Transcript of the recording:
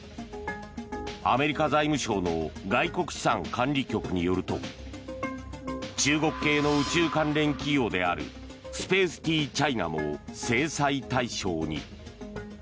アメリカ財務省の外国資産管理局によると中国系の宇宙関連企業であるスペースティー・チャイナも制裁対象に。